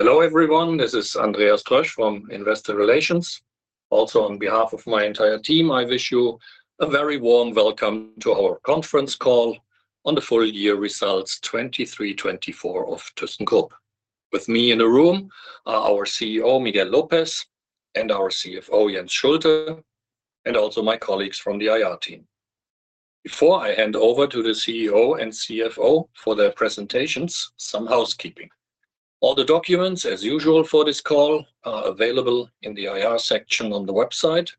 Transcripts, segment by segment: Hello everyone, this is Andreas Troesch from investor relations. Also, on behalf of my entire team, I wish you a very warm welcome to our conference call on the full year results 2023-2024 of Thyssenkrupp. With me in the room are our CEO, Miguel López, and our CFO, Jens Schulte, and also my colleagues from the IR team. Before I hand over to the CEO and CFO for their presentations, some housekeeping. All the documents, as usual for this call, are available in the IR section on the website.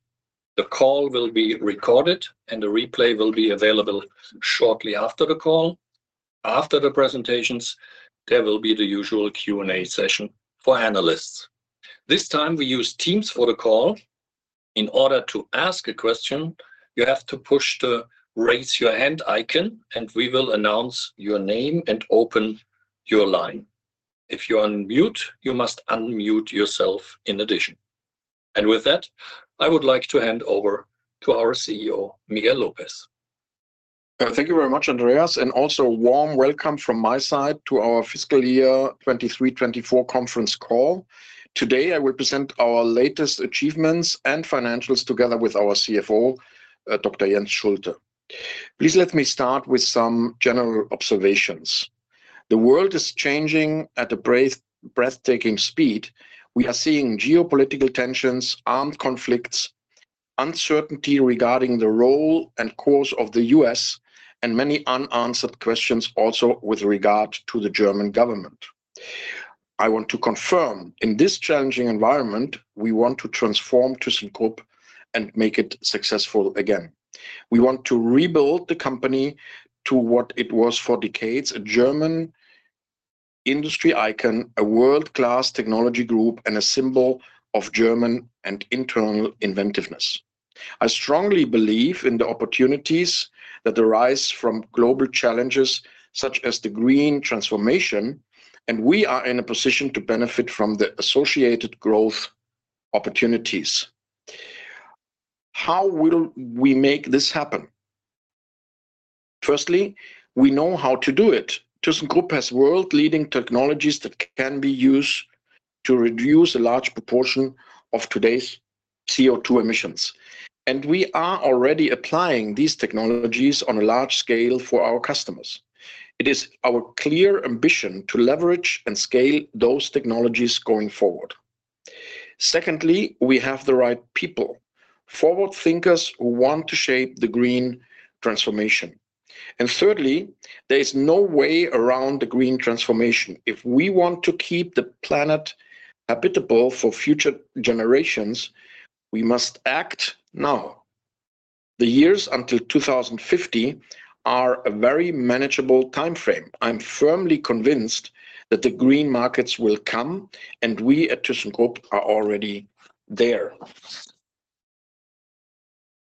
The call will be recorded, and the replay will be available shortly after the call. After the presentations, there will be the usual Q&A session for analysts. This time we use Teams for the call. In order to ask a question, you have to push the raise your hand icon, and we will announce your name and open your line. If you are on mute, you must unmute yourself in addition. And with that, I would like to hand over to our CEO, Miguel López. Thank you very much, Andreas, and also a warm welcome from my side to our fiscal year 2023-24 conference call. Today I will present our latest achievements and financials together with our CFO, Dr. Jens Schulte. Please let me start with some general observations. The world is changing at a breathtaking speed. We are seeing geopolitical tensions, armed conflicts, uncertainty regarding the role and course of the U.S., and many unanswered questions also with regard to the German government. I want to confirm, in this challenging environment, we want to transform Thyssenkrupp and make it successful again. We want to rebuild the company to what it was for decades: a German industry icon, a world-class technology group, and a symbol of German and internal inventiveness. I strongly believe in the opportunities that arise from global challenges such as the green transformation, and we are in a position to benefit from the associated growth opportunities. How will we make this happen? Firstly, we know how to do it. Thyssenkrupp has world-leading technologies that can be used to reduce a large proportion of today's CO2 emissions, and we are already applying these technologies on a large scale for our customers. It is our clear ambition to leverage and scale those technologies going forward. Secondly, we have the right people, forward-thinkers who want to shape the green transformation. And thirdly, there is no way around the green transformation. If we want to keep the planet habitable for future generations, we must act now. The years until 2050 are a very manageable time frame. I'm firmly convinced that the green markets will come, and we at Thyssenkrupp are already there.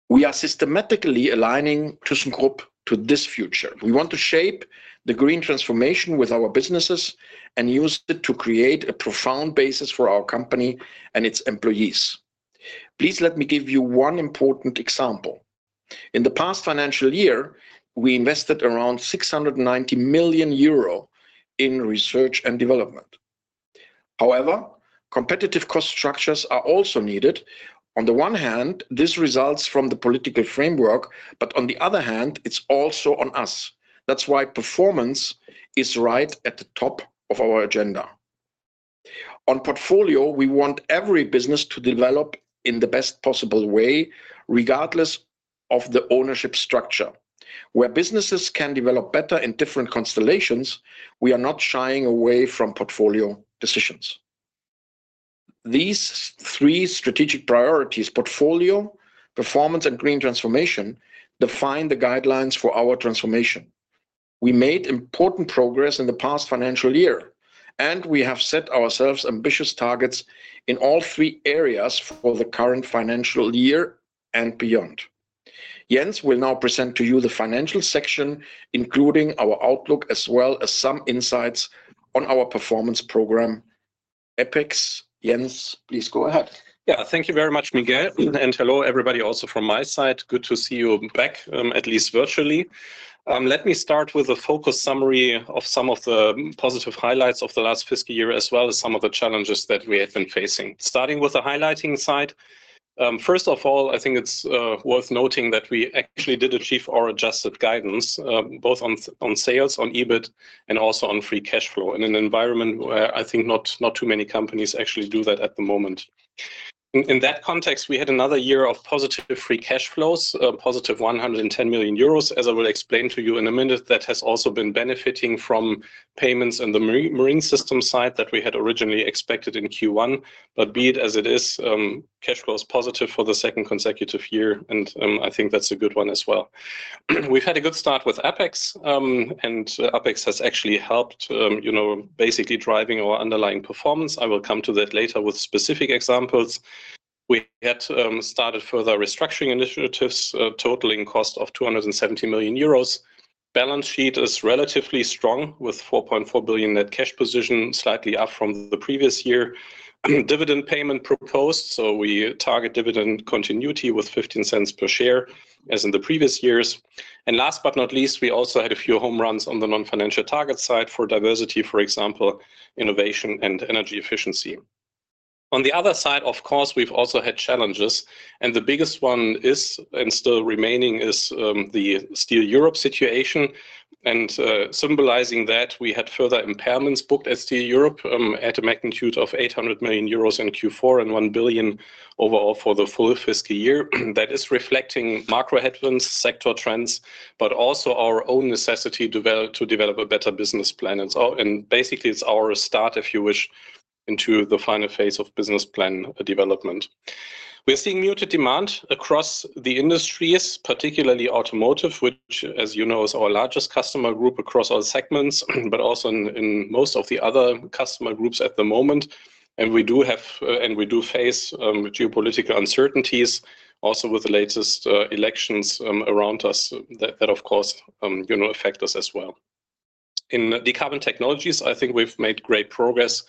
We are systematically aligning Thyssenkrupp to this future. We want to shape the green transformation with our businesses and use it to create a profound basis for our company and its employees. Please let me give you one important example. In the past financial year, we invested around 690 million euro in research and development. However, competitive cost structures are also needed. On the one hand, this results from the political framework, but on the other hand, it's also on us. That's why performance is right at the top of our agenda. On portfolio, we want every business to develop in the best possible way, regardless of the ownership structure. Where businesses can develop better in different constellations, we are not shying away from portfolio decisions. These three strategic priorities: portfolio, performance, and green transformation define the guidelines for our transformation. We made important progress in the past financial year, and we have set ourselves ambitious targets in all three areas for the current financial year and beyond. Jens will now present to you the financial section, including our outlook, as well as some insights on our performance program. APEX, Jens, please go ahead. Yeah, thank you very much, Miguel, and hello everybody also from my side. Good to see you back, at least virtually. Let me start with a focus summary of some of the positive highlights of the last fiscal year, as well as some of the challenges that we have been facing. Starting with the highlights side, first of all, I think it's worth noting that we actually did achieve our adjusted guidance both on sales, on EBIT, and also on free cash flow in an environment where I think not too many companies actually do that at the moment. In that context, we had another year of positive free cash flows, positive 110 million euros, as I will explain to you in a minute. That has also been benefiting from payments on the Marine System side that we had originally expected in Q1. But be it as it is, cash flow is positive for the second consecutive year, and I think that's a good one as well. We've had a good start with APEX, and APEX has actually helped, you know, basically driving our underlying performance. I will come to that later with specific examples. We had started further restructuring initiatives, totaling a cost of 270 million euros. Balance sheet is relatively strong with 4.4 billion net cash position, slightly up from the previous year. Dividend payment proposed, so we target dividend continuity with 0.15 per share, as in the previous years. And last but not least, we also had a few home runs on the non-financial target side for diversity, for example, innovation and energy efficiency. On the other side, of course, we've also had challenges, and the biggest one is, and still remaining, is the Steel Europe situation. And symbolizing that, we had further impairments booked at Steel Europe at a magnitude of 800 million euros in Q4 and 1 billion overall for the full fiscal year. That is reflecting macro headwinds, sector trends, but also our own necessity to develop a better business plan also. And basically, it's our start, if you wish, into the final phase of business plan development. We're seeing muted demand across the industries, particularly Automotive, which, as you know, is our largest customer group across all segments, but also in most of the other customer groups at the moment. And we do have, and we do face geopolitical uncertainties, also with the latest elections around us that, of course, you know, affect us as well. In the Decarbon Technologies, I think we've made great progress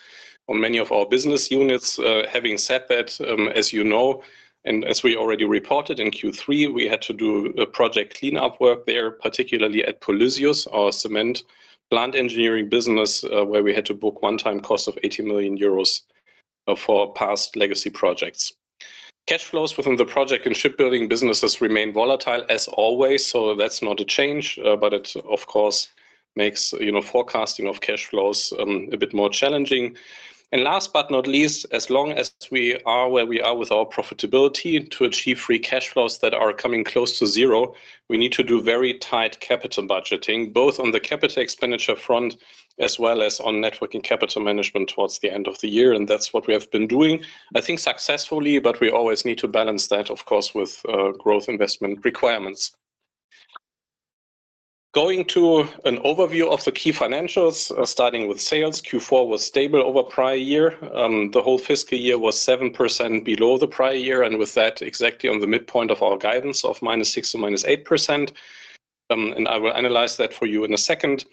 on many of our business units. Having said that, as you know, and as we already reported in Q3, we had to do project cleanup work there, particularly at Polysius, our cement plant Engineering business, where we had to book one-time cost of 80 million euros for past legacy projects. Cash flows within the project and shipbuilding businesses remain volatile as always, so that's not a change, but it, of course, makes, you know, forecasting of cash flows a bit more challenging. And last but not least, as long as we are where we are with our profitability to achieve free cash flows that are coming close to zero, we need to do very tight capital budgeting, both on the capital expenditure front as well as on net working capital management towards the end of the year. And that's what we have been doing, I think successfully, but we always need to balance that, of course, with growth investment requirements. Going to an overview of the key financials, starting with sales, Q4 was stable over prior year. The whole fiscal year was 7% below the prior year, and with that, exactly on the midpoint of our guidance of -6% to -8%. I will analyze that for you in a second.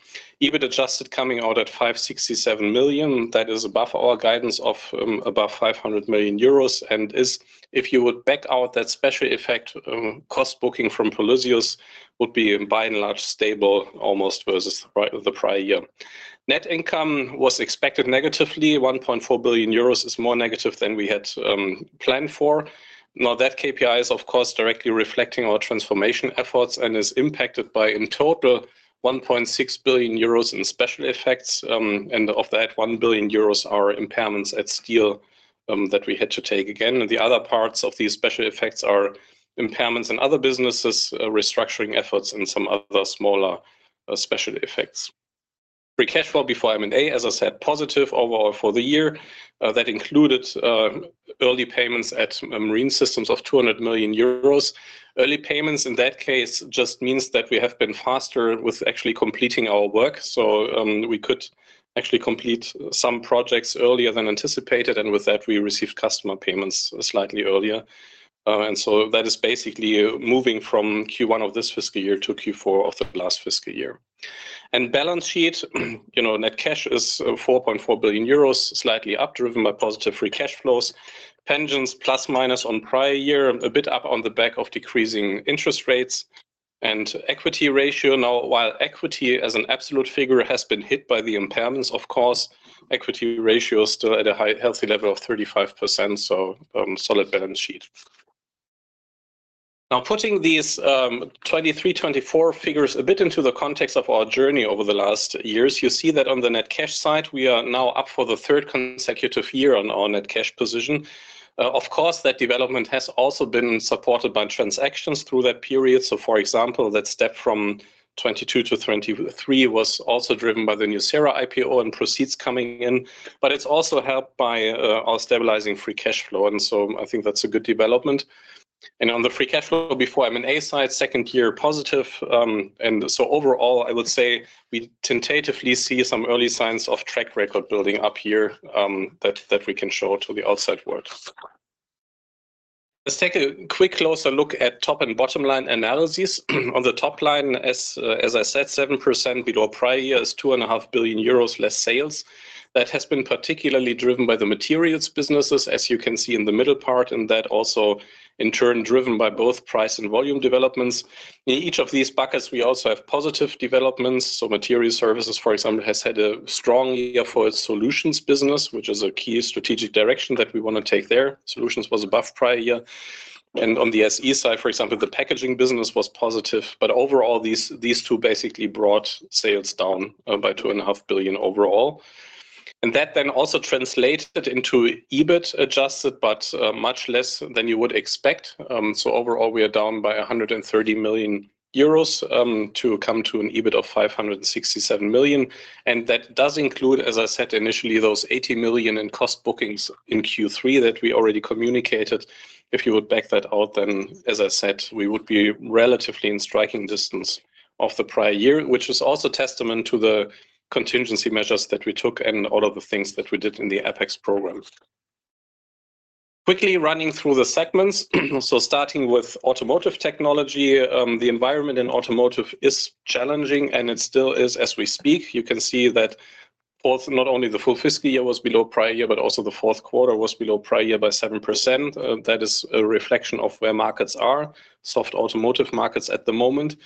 EBIT adjusted coming out at 567 million. That is above our guidance of above 500 million euros and is, if you would back out that special effect, cost booking from Polysius would be by and large stable almost versus prior to the prior year. Net income was expected negatively. 1.4 billion euros is more negative than we had planned for. Now that KPI is, of course, directly reflecting our transformation efforts and is impacted by in total 1.6 billion euros in special effects, and of that, 1 billion euros are impairments at Steel that we had to take again, and the other parts of these special effects are impairments in other businesses, restructuring efforts, and some other smaller special effects. Free cash flow before M&A, as I said, positive overall for the year. That included early payments at Marine Systems of 200 million euros. Early payments in that case just means that we have been faster with actually completing our work, so we could actually complete some projects earlier than anticipated, and with that, we received customer payments slightly earlier, and so that is basically moving from Q1 of this fiscal year to Q4 of the last fiscal year. And balance sheet, you know, net cash is 4.4 billion euros, slightly up driven by positive free cash flows. Pensions plus minus on prior year, a bit up on the back of decreasing interest rates and equity ratio. Now, while equity as an absolute figure has been hit by the impairments, of course, equity ratio is still at a healthy level of 35%, so solid balance sheet. Now putting these 2023-2024 figures a bit into the context of our journey over the last years, you see that on the net cash side, we are now up for the third consecutive year on our net cash position. Of course, that development has also been supported by transactions through that period. So, for example, that step from 2022 to 2023 was also driven by the Nucera IPO and proceeds coming in. But it's also helped by our stabilizing free cash flow. And so I think that's a good development. And on the free cash flow before M&A side, second year positive. And so overall, I would say we tentatively see some early signs of track record building up here that we can show to the outside world. Let's take a quick closer look at top and bottom line analysis. On the top line, as I said, 7% below prior year is 2.5 billion euros less sales. That has been particularly driven by the materials businesses, as you can see in the middle part, and that also in turn driven by both price and volume developments. In each of these buckets, we also have positive developments. So Material Services, for example, has had a strong year for its solutions business, which is a key strategic direction that we want to take there. Solutions was above prior year. And on the SE side, for example, the packaging business was positive. But overall, these two basically brought sales down by 2.5 billion overall. And that then also translated into EBIT adjusted, but much less than you would expect. So overall, we are down by 130 million euros to come to an EBIT of 567 million. And that does include, as I said initially, those 80 million in cost bookings in Q3 that we already communicated. If you would back that out, then, as I said, we would be relatively in striking distance of the prior year, which is also testament to the contingency measures that we took and all of the things that we did in the APEX program. Quickly running through the segments. So starting with Automotive Technology, the environment in automotive is challenging, and it still is as we speak. You can see that not only the full fiscal year was below prior year, but also the fourth quarter was below prior year by 7%. That is a reflection of where markets are, soft automotive markets at the moment.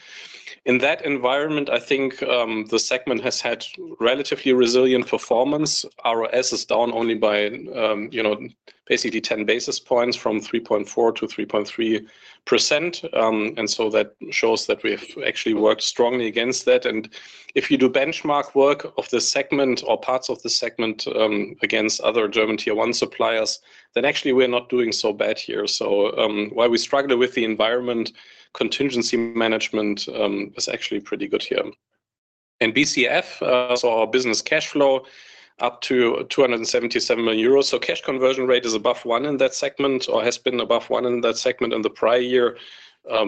In that environment, I think the segment has had relatively resilient performance. ROS is down only by, you know, basically 10 basis points from 3.4% to 3.3%. And so that shows that we have actually worked strongly against that. And if you do benchmark work of the segment or parts of the segment against other German tier one suppliers, then actually we're not doing so bad here. So while we struggled with the environment, contingency management is actually pretty good here. And BCF saw our business cash flow up to 277 million euros. So cash conversion rate is above one in that segment or has been above one in that segment in the prior year,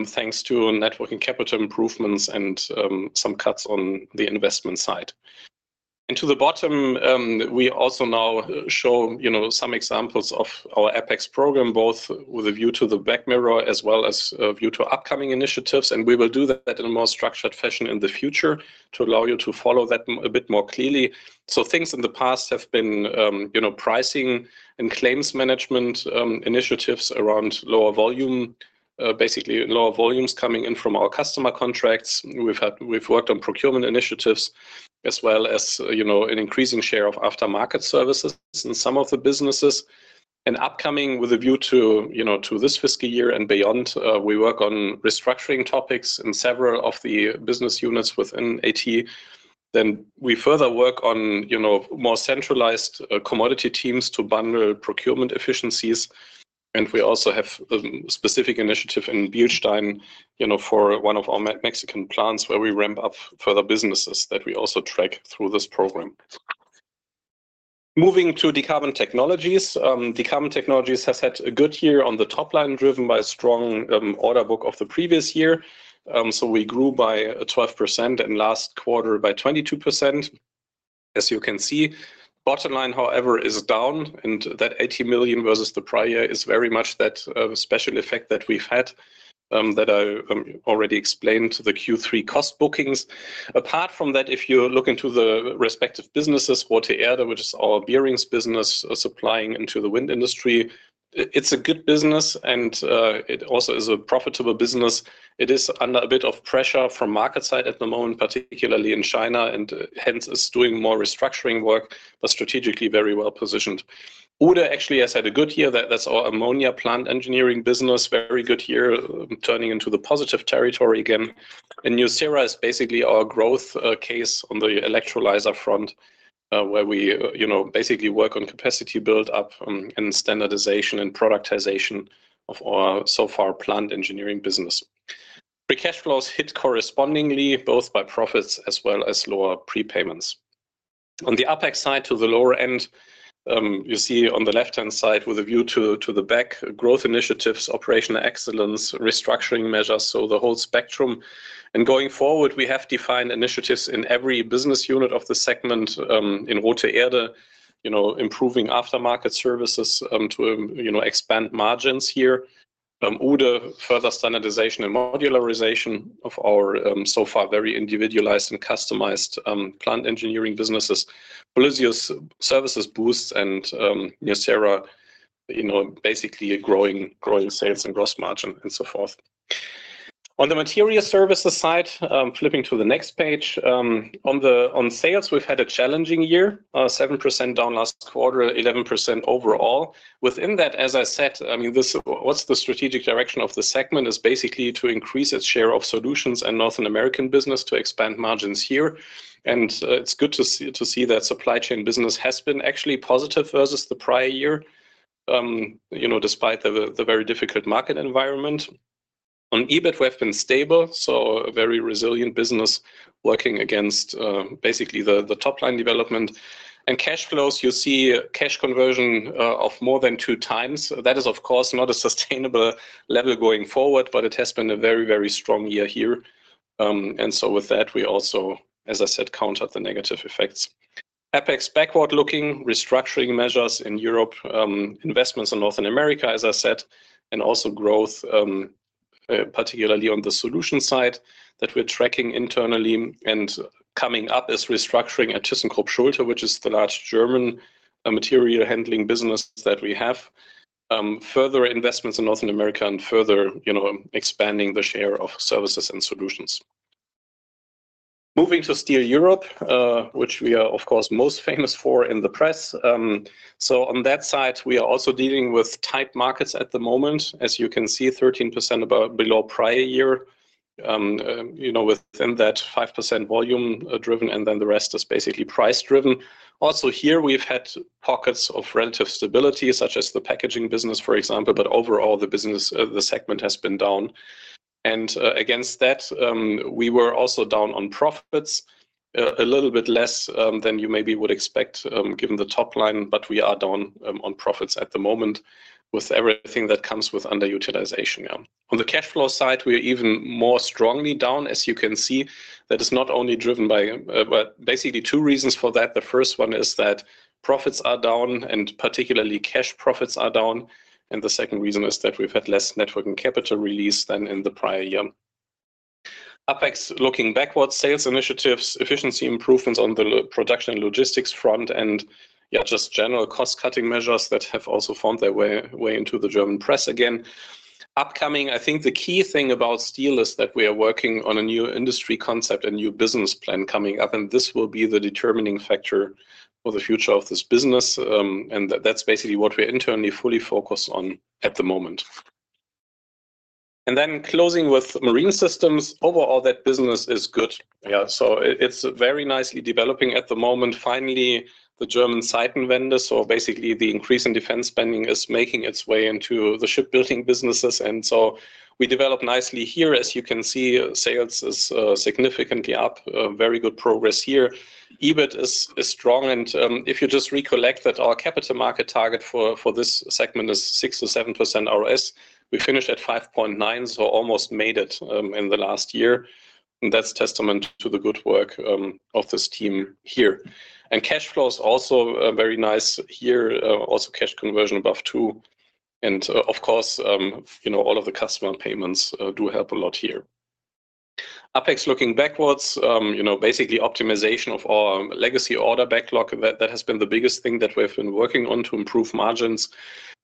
thanks to net working capital improvements and some cuts on the investment side. And to the bottom, we also now show, you know, some examples of our APEX program, both with a view to the rearview mirror as well as a view to upcoming initiatives. And we will do that in a more structured fashion in the future to allow you to follow that a bit more clearly. So things in the past have been, you know, pricing and claims management initiatives around lower volume, basically lower volumes coming in from our customer contracts. We've worked on procurement initiatives as well as, you know, an increasing share of aftermarket services in some of the businesses. An upcoming, with a view to you know to this fiscal year and beyond, we work on restructuring topics in several of the business units within AT. Then we further work on, you know, more centralized commodity teams to bundle procurement efficiencies. And we also have a specific initiative in Bilstein, you know, for one of our Mexican plants where we ramp up further businesses that we also track through this program. Moving to Decarbon Technologies, Decarbon Technologies has had a good year on the top line, driven by a strong order book of the previous year. So we grew by 12% and last quarter by 22%. As you can see, bottom line, however, is down, and that 80 million versus the prior year is very much that special effect that we've had that I already explained to the Q3 cost bookings. Apart from that, if you look into the respective businesses, Rothe Erde, which is our bearings business supplying into the wind industry, it's a good business and it also is a profitable business. It is under a bit of pressure from market side at the moment, particularly in China, and hence is doing more restructuring work, but strategically very well positioned. Uhde actually has had a good year. That's our ammonia plant engineering business, very good year, turning into the positive territory again. And Nucera is basically our growth case on the electrolyzer front, where we, you know, basically work on capacity build-up and standardization and productization of our so far planned engineering business. Free cash flows hit correspondingly, both by profits as well as lower prepayments. On the APEX side to the lower end, you see on the left-hand side with a view to the back, growth initiatives, operational excellence, restructuring measures. So the whole spectrum. And going forward, we have defined initiatives in every business unit of the segment in Rothe Erde, you know, improving aftermarket services to, you know, expand margins here. Uhde further standardization and modularization of our so far very individualized and customized plant engineering businesses. Polysius Service Boost and Nucera, you know, basically growing growing sales and gross margin and so forth. On the material services side, flipping to the next page, on the on sales, we've had a challenging year, 7% down last quarter, 11% overall. Within that, as I said, I mean, what's the strategic direction of the segment is basically to increase its share of solutions and North American business to expand margins here. And it's good to see that supply chain business has been actually positive versus the prior year, you know, despite the very difficult market environment. On EBIT, we have been stable, so a very resilient business working against basically the top line development. And cash flows, you see cash conversion of more than two times. That is, of course, not a sustainable level going forward, but it has been a very, very strong year here. And so with that, we also, as I said, countered the negative effects. APEX backward-looking restructuring measures in Europe, investments in North America, as I said, and also growth, particularly on the solution side that we're tracking internally and coming up is restructuring at Thyssenkrupp Schulte, which is the large German material handling business that we have. Further investments in North America and further, you know, expanding the share of services and solutions. Moving to Steel Europe, which we are, of course, most famous for in the press. So on that side, we are also dealing with tight markets at the moment, as you can see, 13% below prior year, you know, within that 5% volume driven, and then the rest is basically price driven. Also here, we've had pockets of relative stability, such as the packaging business, for example, but overall the business, the segment has been down. And against that, we were also down on profits, a little bit less than you maybe would expect given the top line, but we are down on profits at the moment with everything that comes with underutilization. On the cash flow side, we are even more strongly down, as you can see. That is not only driven by, but basically two reasons for that. The first one is that profits are down, and particularly cash profits are down, and the second reason is that we've had less net working capital release than in the prior year. APEX looking backwards, sales initiatives, efficiency improvements on the production and logistics front, and yeah, just general cost cutting measures that have also found their way into the German press again. Upcoming, I think the key thing about steel is that we are working on a new industry concept, a new business plan coming up, and this will be the determining factor for the future of this business. And that's basically what we're internally fully focused on at the moment. And then closing with Marine Systems, overall that business is good. Yeah, so it's very nicely developing at the moment. Finally, the German Zeitenwende, so basically the increase in defense spending is making its way into the shipbuilding businesses. And so we develop nicely here, as you can see. Sales is significantly up, very good progress here. EBIT is is strong, and if you just recollect that our capital market target for this segment is 6%-7% ROS, we finished at 5.9%, so almost made it in the last year. That's testament to the good work of this team here. And cash flow is also very nice here, also cash conversion above two. And of course, you know, all of the customer payments do help a lot here. APEX looking backwards, you know, basically optimization of our legacy order backlog, that has been the biggest thing that we've been working on to improve margins.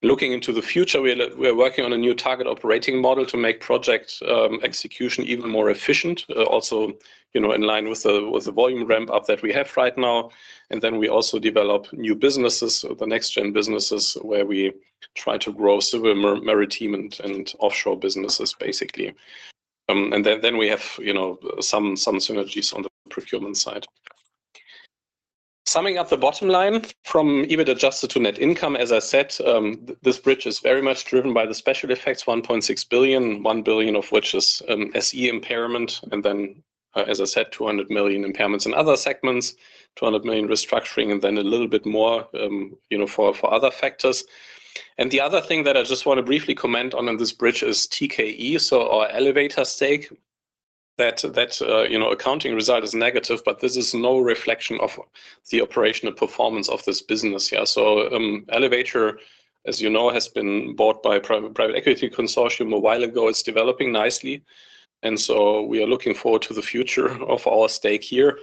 Looking into the future, we are working on a new target operating model to make project execution even more efficient, also, you know, in line with the volume ramp up that we have right now. And then we also develop new businesses, the next-gen businesses where we try to grow civil maritime and offshore businesses, basically. And then then we have, you know, some synergies on the procurement side. Summing up the bottom line from EBIT adjusted to net income, as I said, this bridge is very much driven by the special effects, 1.6 billion, 1 billion of which is SE impairment, and then, as I said, 200 million impairments in other segments, 200 million restructuring, and then a little bit more, you know, for other factors. And the other thing that I just want to briefly comment on in this bridge is TKE, so our elevator stake. That that, you know, accounting result is negative, but this is no reflection of the operational performance of this business. Yeah, so Elevator, as you know, has been bought by a private equity consortium a while ago. It's developing nicely. And so we are looking forward to the future of our stake here.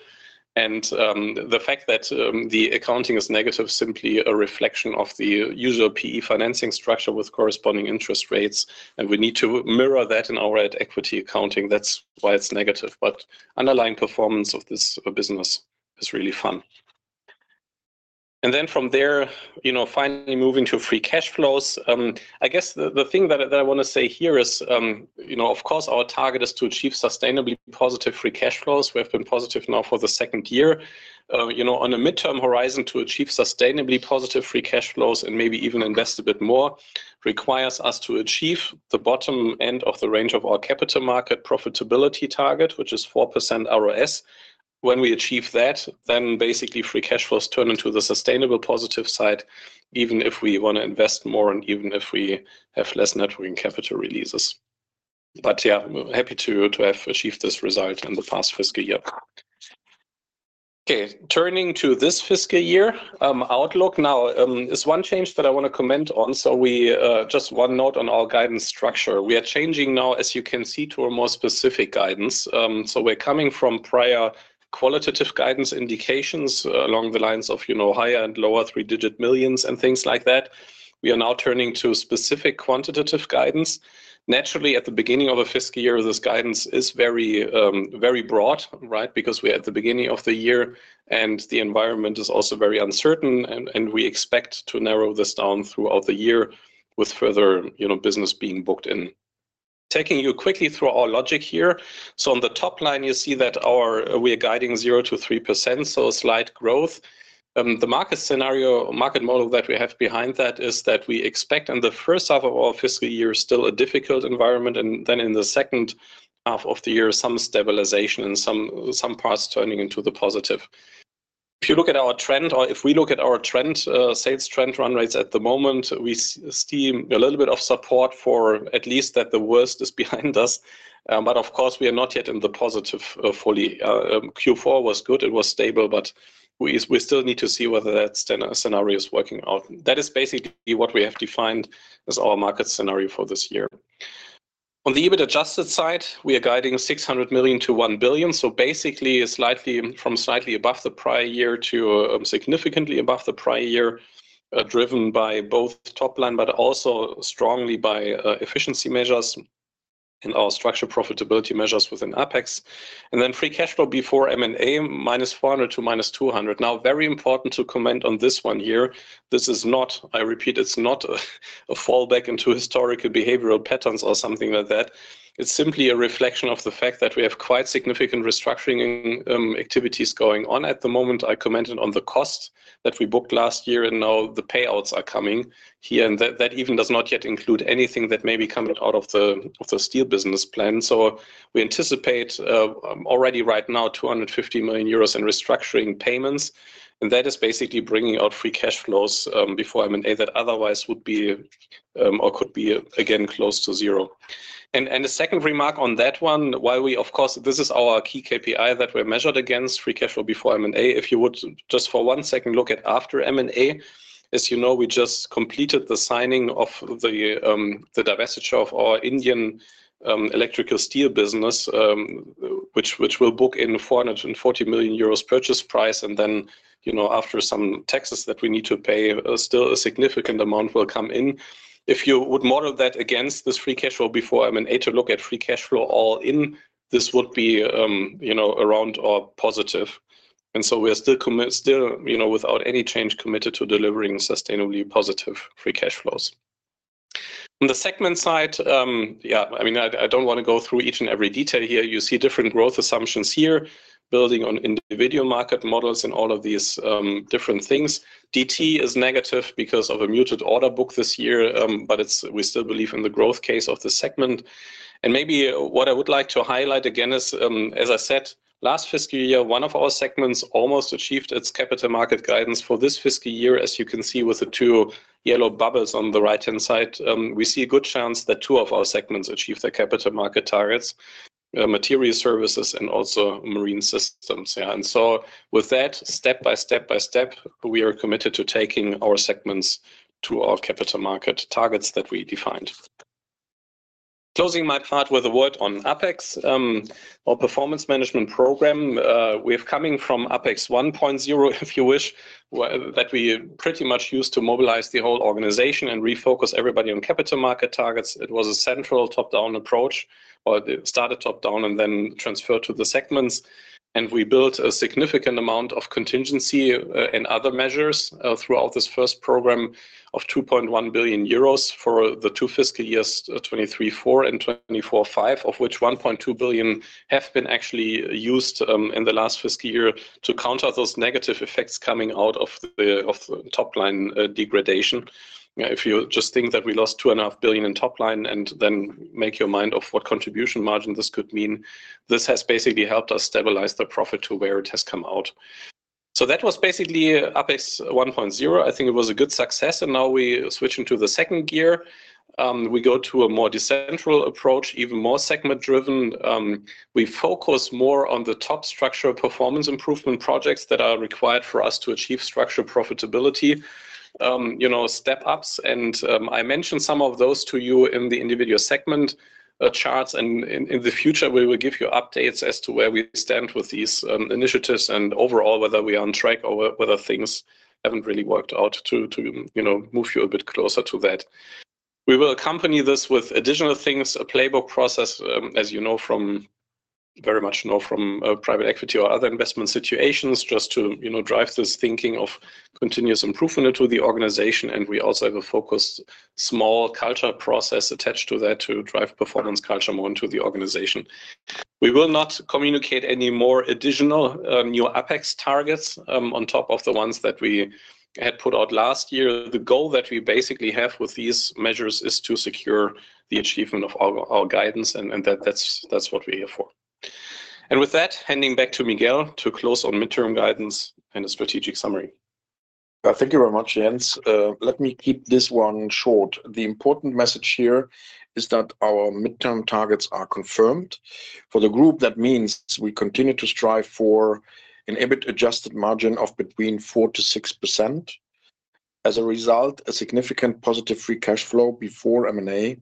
And the fact that the accounting is negative is simply a reflection of the usual PE financing structure with corresponding interest rates. And we need to mirror that in our equity accounting. That's why it's negative. But underlying performance of this business is really fine. And then from there, you know, finally moving to free cash flows. I guess the thing that I want to say here is, you know, of course our target is to achieve sustainably positive free cash flows. We have been positive now for the second year. You know, on a midterm horizon, to achieve sustainably positive free cash flows and maybe even invest a bit more requires us to achieve the bottom end of the range of our capital market profitability target, which is 4% ROS. When we achieve that, then basically free cash flows turn into the sustainable positive side, even if we want to invest more and even if we have less net working capital releases. But yeah, happy to have achieved this result in the past fiscal year. Okay, turning to this fiscal year outlook now, there's one change that I want to comment on. So we just one note on our guidance structure. We are changing now, as you can see, to a more specific guidance. So we're coming from prior qualitative guidance indications along the lines of, you know, higher and lower three-digit millions and things like that. We are now turning to specific quantitative guidance. Naturally, at the beginning of a fiscal year, this guidance is very, very broad, right? Because we are at the beginning of the year and the environment is also very uncertain, and and we expect to narrow this down throughout the year with further, you know, business being booked in. Taking you quickly through our logic here. So on the top line, you see that we are guiding 0%-3%, so slight growth. The market scenario, market model that we have behind that is that we expect in the first half of our fiscal year still a difficult environment, and then in the second half of the year, some stabilization and some parts turning into the positive. If you look at our trend, or if we look at our trend, sales trend run rates at the moment, we see a little bit of support for at least that the worst is behind us. But of course, we are not yet in the positive fully. Q4 was good, it was stable, but we we still need to see whether that scenario is working out. That is basically what we have defined as our market scenario for this year. On the EBIT adjusted side, we are guiding 600 million-1 billion. So basically slightly from slightly above the prior year to significantly above the prior year, driven by both top line, but also strongly by efficiency measures and our structured profitability measures within APEX. And then free cash flow before M&A -400 million to -200 million. Now, very important to comment on this one here. This is not, I repeat, it's not a fallback into historical behavioral patterns or something like that. It's simply a reflection of the fact that we have quite significant restructuring activities going on at the moment. I commented on the cost that we booked last year and now the payouts are coming here, and that even does not yet include anything that may be coming out of the the steel business plan, so we anticipate already right now 250 million euros in restructuring payments, and that is basically bringing out free cash flows before M&A that otherwise would be or could be again close to zero, and a second remark on that one, while we, of course, this is our key KPI that we're measured against, free cash flow before M&A. If you would just for one second look at after M&A, as you know, we just completed the signing of the divestiture of our Indian electrical steel business, which will book in 440 million euros purchase price. And then, you know, after some taxes that we need to pay, still a significant amount will come in. If you would model that against this free cash flow before M&A to look at free cash flow all in, this would be, you know, around or positive. And so we are still, you know, without any change committed to delivering sustainably positive free cash flows. On the segment side, yeah, I mean, I don't want to go through each and every detail here. You see different growth assumptions here, building on individual market models and all of these different things. DT is negative because of a muted order book this year, but we still believe in the growth case of the segment. And maybe what I would like to highlight again is, as I said, last fiscal year, one of our segments almost achieved its capital market guidance for this fiscal year. As you can see with the two yellow bubbles on the right-hand side, we see a good chance that two of our segments achieve their capital market targets, you know Materials Services, and also Marine Systems. Yeah. And so with that, step by step by step, we are committed to taking our segments to our capital market targets that we defined. Closing my part with a word on APEX, our performance management program. We have coming from APEX 1.0, if you wish, that we pretty much used to mobilize the whole organization and refocus everybody on capital market targets. It was a central top-down approach, or it started top-down and then transferred to the segments. And we built a significant amount of contingency and other measures throughout this first program of 2.1 billion euros for the two fiscal years, 2023-2024 and 2024-2025, of which 1.2 billion have been actually used in the last fiscal year to counter those negative effects coming out of of the top line degradation. If you just think that we lost 2.5 billion in top line and then make your mind of what contribution margin this could mean, this has basically helped us stabilize the profit to where it has come out. So that was basically APEX 1.0. I think it was a good success. And now we switch into the second gear. We go to a more decentral approach, even more segment-driven. We focus more on the top structural performance improvement projects that are required for us to achieve structural profitability, you know, step-ups, and I mentioned some of those to you in the individual segment charts, and in the future, we will give you updates as to where we stand with these initiatives and overall whether we are on track or whether things haven't really worked out to, you know, move you a bit closer to that. We will accompany this with additional things, a playbook process, as you know from very much know from private equity or other investment situations, just to, you know, drive this thinking of continuous improvement into the organization, and we also have a focused small culture process attached to that to drive performance culture more into the organization. We will not communicate any more additional new APEX targets on top of the ones that we had put out last year. The goal that we basically have with these measures is to secure the achievement of our guidance, and that's what we're here for, and with that, handing back to Miguel to close on midterm guidance and a strategic summary. Thank you very much, Jens. Let me keep this one short. The important message here is that our midterm targets are confirmed. For the group, that means we continue to strive for an EBIT adjusted margin of between 4%-6%. As a result, a significant positive free cash flow before M&A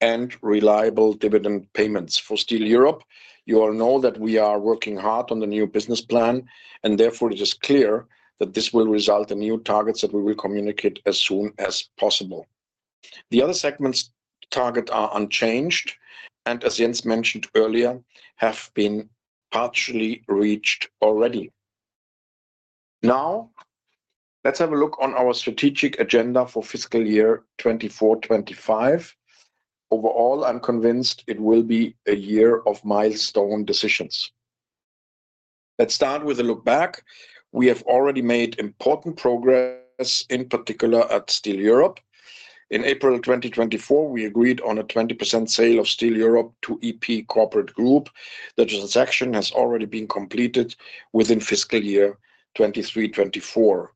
and reliable dividend payments. For Steel Europe, you all know that we are working hard on the new business plan, and therefore it is clear that this will result in new targets that we will communicate as soon as possible. The other segments' targets are unchanged, and as Jens mentioned earlier, have been partially reached already. Now, let's have a look on our strategic agenda for fiscal year 2024-2025. Overall, I'm convinced it will be a year of milestone decisions. Let's start with a look back. We have already made important progress, in particular at Steel Europe. In April 2024, we agreed on a 20% sale of Steel Europe to EP Corporate Group. The transaction has already been completed within fiscal year 2023-2024.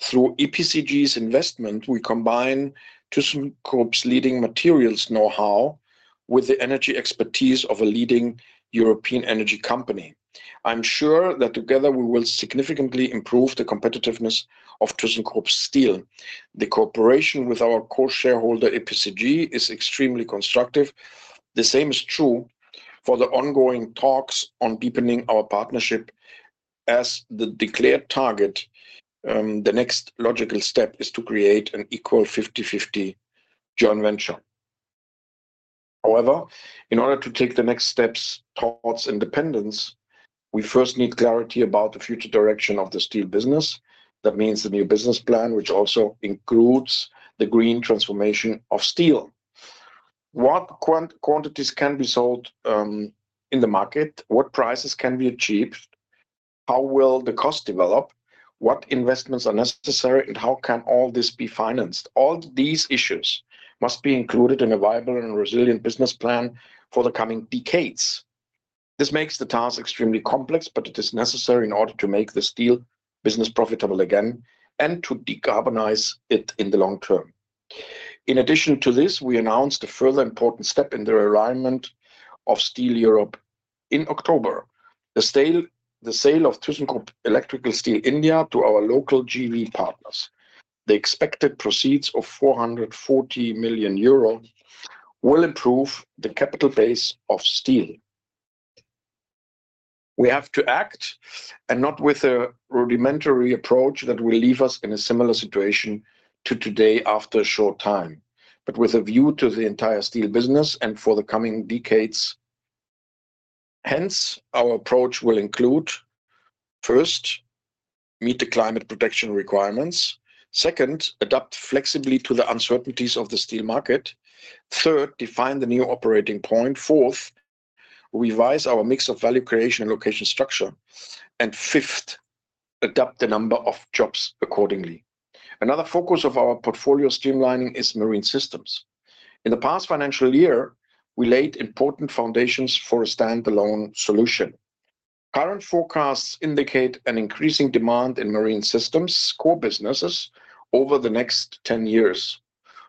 Through EPCG's investment, we combine Thyssenkrupp's leading materials know-how with the energy expertise of a leading European energy company. I'm sure that together we will significantly improve the competitiveness of Thyssenkrupp Steel. The cooperation with our core shareholder EPCG is extremely constructive. The same is true for the ongoing talks on deepening our partnership as the declared target. The next logical step is to create an equal 50-50 joint venture. However, in order to take the next steps towards independence, we first need clarity about the future direction of the steel business. That means the new business plan, which also includes the green transformation of steel. What quantities can be sold in the market? What prices can be achieved? How will the cost develop? What investments are necessary? And how can all this be financed? All these issues must be included in a viable and resilient business plan for the coming decades. This makes the task extremely complex, but it is necessary in order to make the steel business profitable again and to decarbonize it in the long term. In addition to this, we announced a further important step in the realignment of Steel Europe in October, the sale of Thyssenkrupp Electrical Steel India to our local JV partners. The expected proceeds of 440 million euro will improve the capital base of steel. We have to act, and not with a rudimentary approach that will leave us in a similar situation to today after a short time, but with a view to the entire steel business and for the coming decades. Hence, our approach will include first, meet the climate protection requirements. Second, adapt flexibly to the uncertainties of the steel market. Third, define the new operating point. Fourth, revise our mix of value creation and location structure. And fifth, adapt the number of jobs accordingly. Another focus of our portfolio streamlining is Marine Systems. In the past financial year, we laid important foundations for a standalone solution. Current forecasts indicate an increasing demand in Marine Systems core businesses over the next 10 years.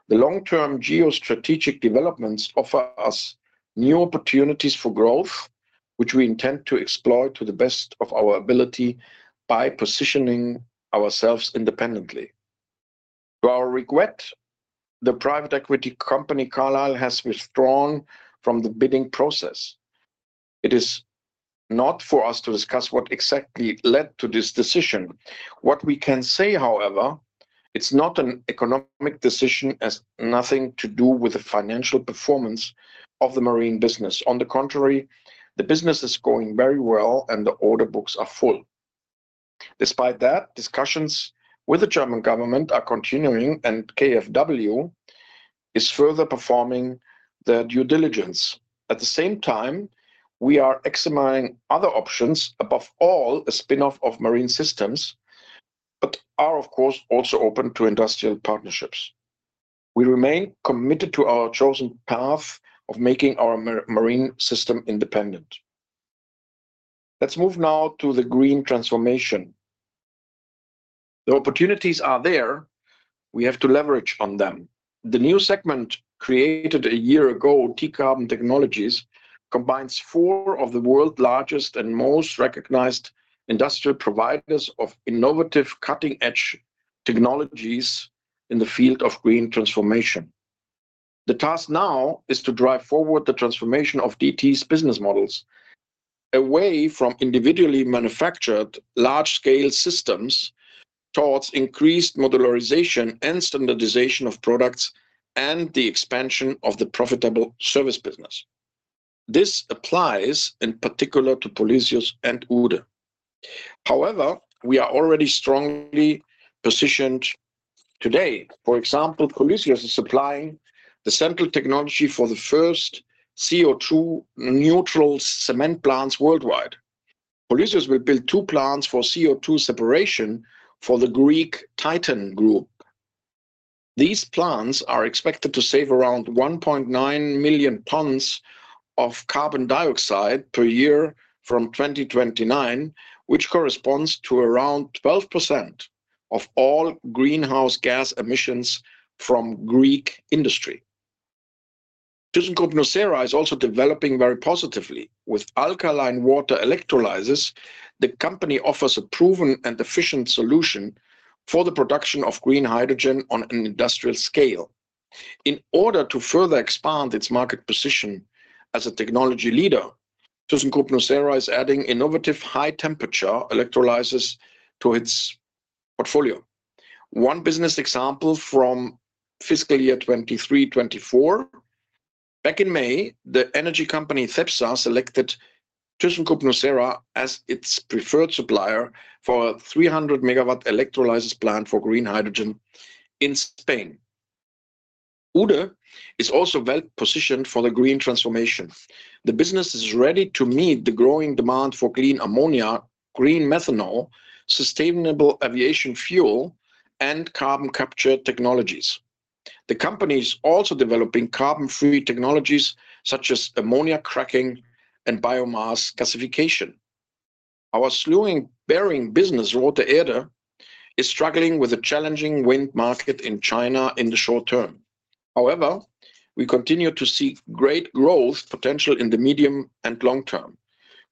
The long-term geostrategic developments offer us new opportunities for growth, which we intend to exploit to the best of our ability by positioning ourselves independently. To our regret, the private equity company Carlyle has withdrawn from the bidding process. It is not for us to discuss what exactly led to this decision. What we can say, however, is it's not an economic decision and has nothing to do with the financial performance of the marine business. On the contrary, the business is going very well and the order books are full. Despite that, discussions with the German government are continuing and KfW is further performing their due diligence. At the same time, we are examining other options, above all a spinoff of Marine Systems, but are, of course, also open to industrial partnerships. We remain committed to our chosen path of making our Marine Systems independent. Let's move now to the green transformation. The opportunities are there. We have to leverage on them. The new segment created a year ago, Decarbon Technologies, combines four of the world's largest and most recognized industrial providers of innovative cutting-edge technologies in the field of green transformation. The task now is to drive forward the transformation of DT's business models away from individually manufactured large-scale systems towards increased modularization and standardization of products and the expansion of the profitable service business. This applies in particular to Polysius and Uhde. However, we are already strongly positioned today. For example, Polysius is supplying the central technology for the first CO2-neutral cement plants worldwide. Polysius will build two plants for CO2 separation for the Greek Titan Group. These plants are expected to save around 1.9 million tons of carbon dioxide per year from 2029, which corresponds to around 12% of all greenhouse gas emissions from Greek industry. Thyssenkrupp Nucera is also developing very positively. With alkaline water electrolyzers, the company offers a proven and efficient solution for the production of green hydrogen on an industrial scale. In order to further expand its market position as a technology leader, Thyssenkrupp Nucera is adding innovative high-temperature electrolyzers to its portfolio. One business example from fiscal year 2023-24: back in May, the energy company Cepsa selected Thyssenkrupp Nucera as its preferred supplier for a 300 megawatt electrolyzer plant for green hydrogen in Spain. Uhde is also well positioned for the green transformation. The business is ready to meet the growing demand for clean ammonia, green methanol, sustainable aviation fuel, and carbon capture technologies. The company is also developing carbon-free technologies such as ammonia cracking and biomass gasification. Our slewing bearing business, Rothe Erde, is struggling with a challenging wind market in China in the short term. However, we continue to see great growth potential in the medium and long term.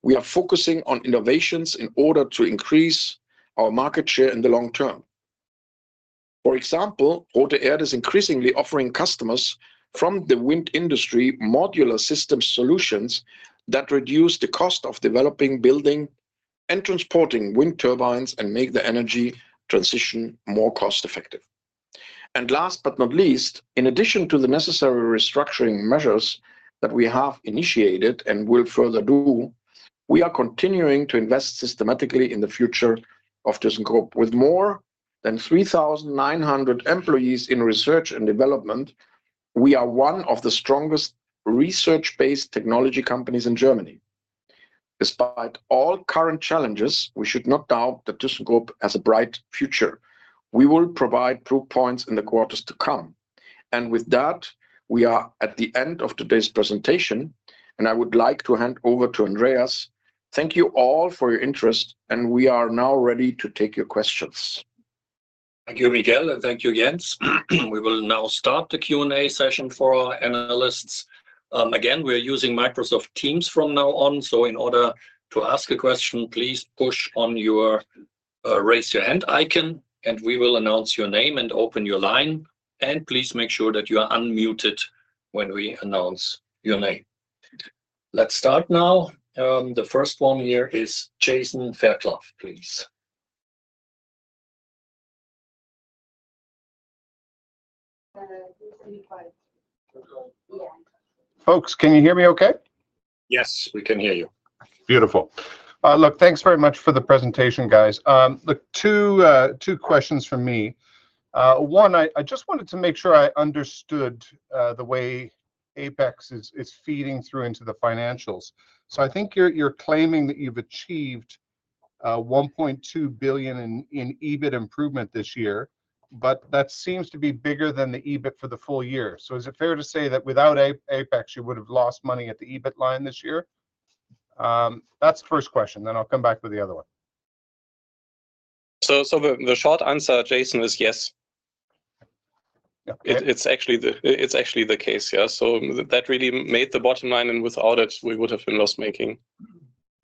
We are focusing on innovations in order to increase our market share in the long term. For example, Rothe Erde is increasingly offering customers from the wind industry modular system solutions that reduce the cost of developing, building, and transporting wind turbines and make the energy transition more cost-effective. And last but not least, in addition to the necessary restructuring measures that we have initiated and will further do, we are continuing to invest systematically in the future of Thyssenkrupp. With more than 3,900 employees in research and development, we are one of the strongest research-based technology companies in Germany. Despite all current challenges, we should not doubt that Thyssenkrupp has a bright future. We will provide proof points in the quarters to come. And with that, we are at the end of today's presentation, and I would like to hand over to Andreas. Thank you all for your interest, and we are now ready to take your questions. Thank you, Miguel, and thank you, Jens. We will now start the Q&A session for our analysts. Again, we are using Microsoft Teams from now on, so in order to ask a question, please push on your raise hand icon, and we will announce your name and open your line. And please make sure that you are unmuted when we announce your name. Let's start now. The first one here is Jason Fairclough, please. Folks, can you hear me okay? Yes, we can hear you. Beautiful. Look, thanks very much for the presentation, guys. Look, two questions from me. One, I just wanted to make sure I understood the way APEX is feeding through into the financials. So I think you're claiming that you've achieved 1.2 billion in EBIT improvement this year, but that seems to be bigger than the EBIT for the full year. So is it fair to say that without APEX, you would have lost money at the EBIT line this year? That's the first question. Then I'll come back with the other one. So the short answer, Jason, is yes. Yeah. It's actually the case, it's actually the case yeah. So that really made the bottom line, and without it, we would have been loss-making.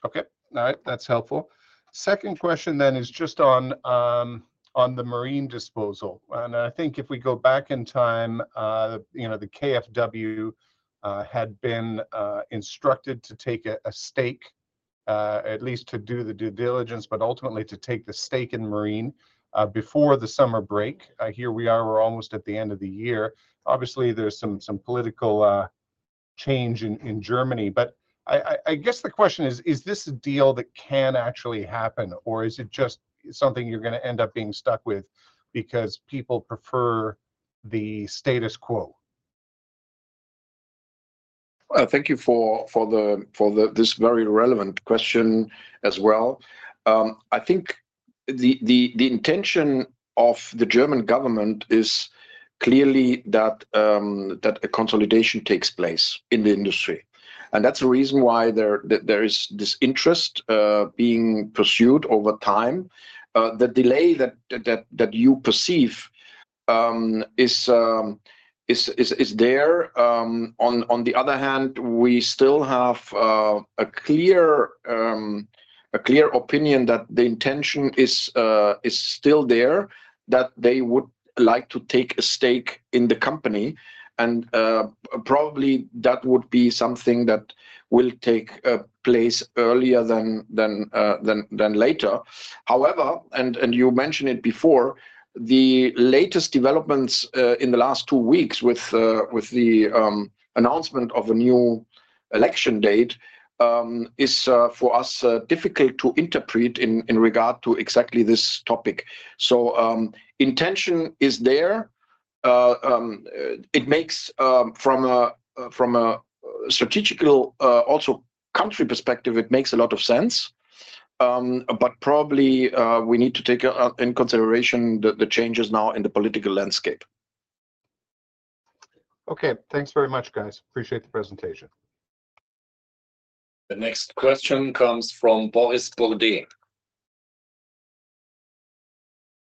Okay. All right. That's helpful. Second question then is just on on the marine disposal, and I think if we go back in time, you know the KfW had been instructed to take a stake, at least to do the due diligence, but ultimately to take the stake in marine before the summer break. Here we are, we're almost at the end of the year. Obviously, there's some some political change in Germany, but I I guess the question is, is this a deal that can actually happen, or is it just something you're going to end up being stuck with because people prefer the status quo? Thank you for for the this very relevant question as well. I think the the the intention of the German government is clearly that a consolidation takes place in the industry. That's the reason why there is this interest being pursued over time. The delay that that you perceive is is is there. On on the other hand, we still have a clear a clear opinion that the intention is still there, that they would like to take a stake in the company. And probably that would be something that will take place earlier than than than later. However, and you mentioned it before, the latest developments in the last two weeks with with the announcement of a new election date is for us difficult to interpret in in regard to exactly this topic. So intention is there. It makes, from a from a strategical, also country perspective, it makes a lot of sense. But probably we need to take into consideration the changes now in the political landscape. Okay. Thanks very much, guys. Appreciate the presentation. The next question comes from Boris Bourdet.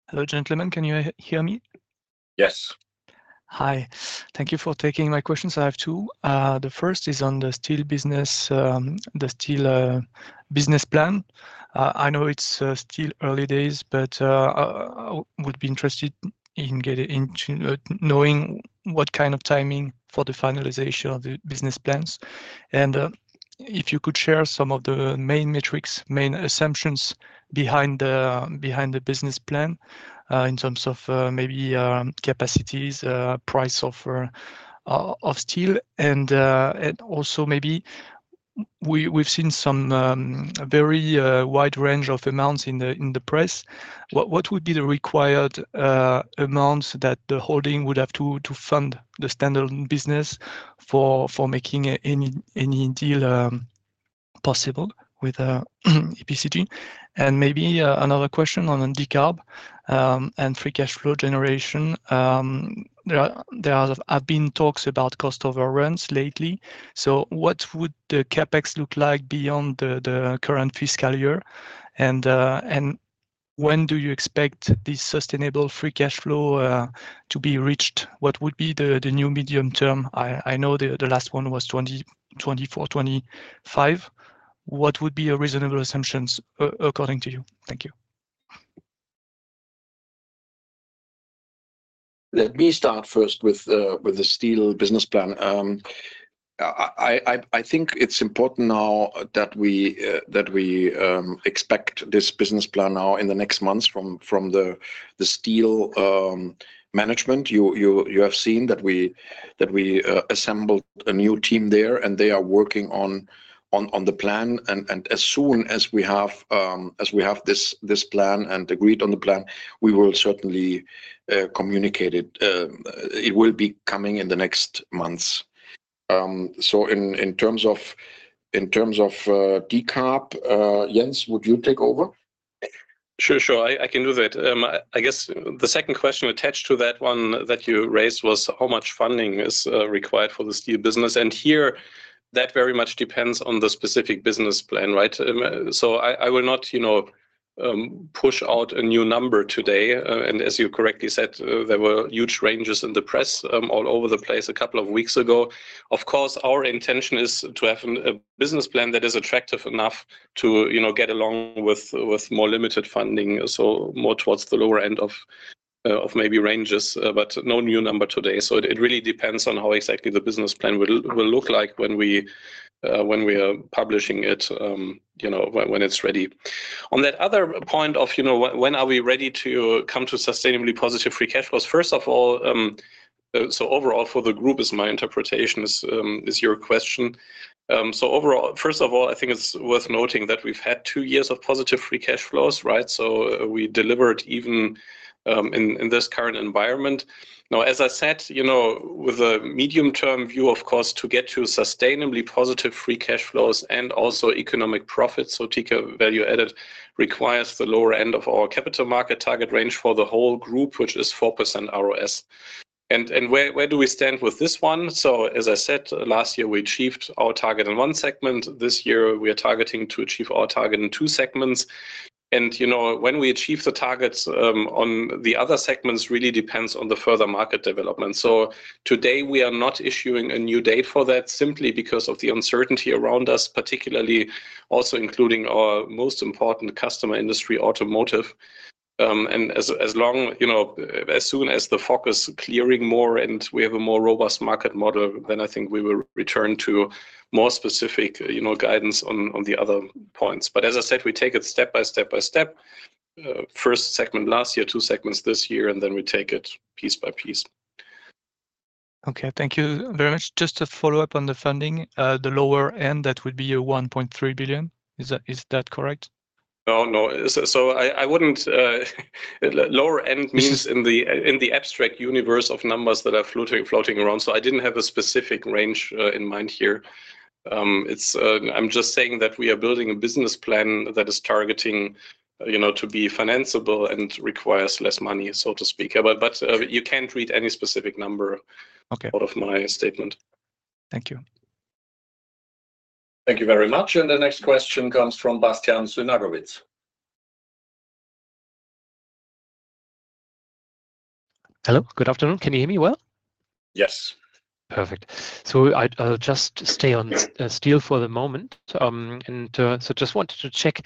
Hello, gentlemen. Can you hear me? Yes. Hi. Thank you for taking my questions. I have two. The first is on the steel business, the steel business plan. I know it's still early days, but I would be interested in knowing what kind of timing for the finalization of the business plans. And if you could share some of the main metrics, main assumptions behind the behind the business plan in terms of maybe capacities, price of of steel, and also maybe we've we've seen some very wide range of amounts in the press. What would be the required amounts that the holding would have to to fund the steel business for making any any any deal possible with EPCG? And maybe another question on Decarb and free cash flow generation. There have been talks about cost overruns lately. So what would the CapEx look like beyond the the current fiscal year? And when do you expect this sustainable free cash flow to be reached? What would be the new medium term? I know the last one was 2024, 2025. What would be a reasonable assumptions according to you? Thank you. Let me start first with the steel business plan. I I I think it's important now that we that we expect this business plan now in the next months from the steel management. You you have seen that we that we assembled a new team there, and they are working on on the plan. And as soon as we have this plan and agreed on the plan, we will certainly communicate it. It will be coming in the next months. So in in terms of in terms of decarb, Jens, would you take over? Sure, sure. I guess the second question attached to that one that you raised was how much funding is required for the steel business. And here, that very much depends on the specific business plan, right? So I will not you know push out a new number today. And as you correctly said, there were huge ranges in the press all over the place a couple of weeks ago. Of course, our intention is to have a business plan that is attractive enough to get along with with more limited funding, so more towards the lower end of maybe ranges, but no new number today. So it really depends on how exactly the business plan will look like when we when we are publishing it, you know when it's ready. On that other point of you know when are we ready to come to sustainably positive free cash flows? First of all, so overall for the group is my interpretation is your question. So overall, first of all, I think it's worth noting that we've had two years of positive free cash flows, right? So we delivered even in in this current environment. Now, as I said, you know with a medium-term view, of course, to get to sustainably positive free cash flows and also economic profits, so economic value added requires the lower end of our capital market target range for the whole group, which is 4% ROS. And where where do we stand with this one? So as I said, last year, we achieved our target in one segment. This year, we are targeting to achieve our target in two segments. And you know when we achieve the targets on the other segments really depends on the further market development. So today, we are not issuing a new date for that simply because of the uncertainty around us, particularly also including our most important customer industry, automotive. And as long you know a you knows soon as the focus is clearing more and we have a more robust market model, then I think we will return to more specific guidance on the other points. But as I said, we take it step by step by step. First segment last year, two segments this year, and then we take it piece by piece. Okay. Thank you very much. Just to follow up on the funding, the lower end, that would be 1.3 billion. Is that correct? No, no. So I wouldn't lower end means in the abstract universe of numbers that are floating around. So I didn't have a specific range in mind here. It's I'm just saying that we are building a business plan that is targeting you know to be financeable and requires less money, so to speak. But you can't read any specific number out of my statement. Thank you. Thank you very much. And the next question comes from Bastian Synagowitz. Hello. Good afternoon. Can you hear me well? Yes. Perfect. So I'll just stay on steel for the moment. Just wanted to check,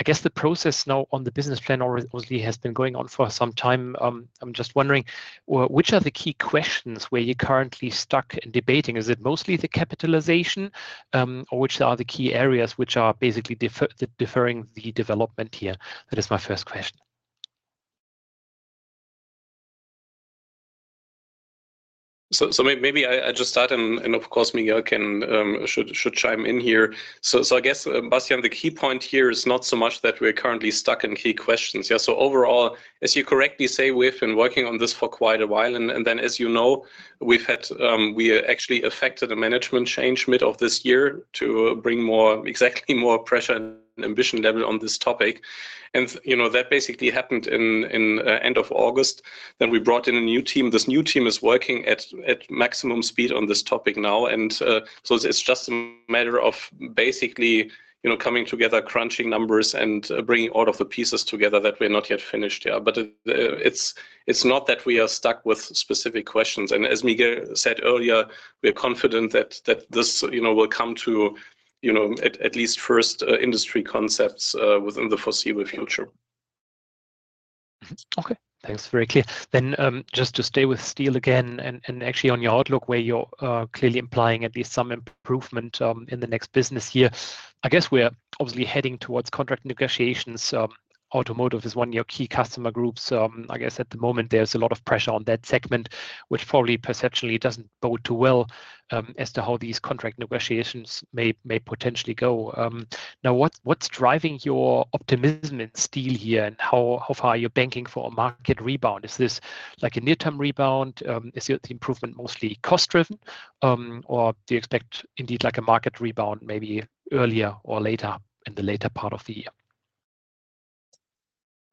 I guess the process now on the business plan obviously has been going on for some time. I'm just wondering, which are the key questions where you're currently stuck and debating? Is it mostly the capitalization, or which are the key areas which are basically deferring the development here? That is my first question. So maybe I just start, and of course, Miguel should should chime in here. I guess, Bastian, the key point here is not so much that we're currently stuck in key questions. Yes so overall, as you correctly say, we've been working on this for quite a while. And then, as you know, we actually effected a management change mid of this year to bring exactly more pressure and ambition level on this topic. And you know that basically happened in in the end of August. And we brought in a new team. This new team is working at at maximum speed on this topic now. And so it's just a matter of basically you know coming together, crunching numbers, and bringing all of the pieces together that we're not yet finished here. But it's not that we are stuck with specific questions. And as Miguel said earlier, we are confident that that this will come to you know at least first industry concepts within the foreseeable future. Okay. Thanks. Very clear. Then just to stay with steel again, and actually on your outlook where you're clearly implying at least some improvement in the next business year, I guess we're obviously heading towards contract negotiations. Automotive is one of your key customer groups. So I guess at the moment, there's a lot of pressure on that segment, which probably perceptually doesn't bode too well as to how these contract negotiations may potentially go. Now, what's what's driving your optimism in steel here and how far are you banking for a market rebound? Is this like a near-term rebound? Is the improvement mostly cost-driven, or do you expect indeed like a market rebound maybe earlier or later in the later part of the year?